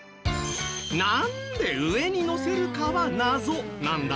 なんで上にのせるかは謎なんだそう。